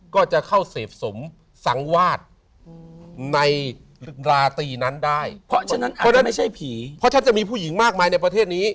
ก็จะเข้าเสพสมสังวาสในราตรีนั้นได้เพราะฉะนั้นเพราะนั่นไม่ใช่ผีเพราะถ้าจะมีผู้หญิงมากมายในประเทศนี้